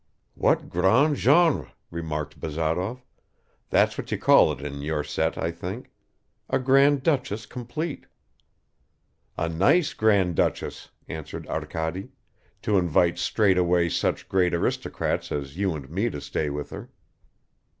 "What grand genre," remarked Bazarov, "that's what you call it in your set, I think. A Grand Duchess complete." "A nice Grand Duchess," answered Arkady, "to invite straight away such great aristocrats as you and me to stay with her."